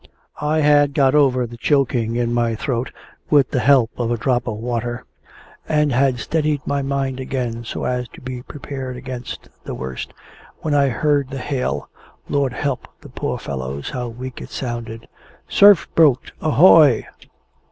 I had got over the choking in my throat with the help of a drop of water, and had steadied my mind again so as to be prepared against the worst, when I heard the hail (Lord help the poor fellows, how weak it sounded!) "Surf boat, ahoy!"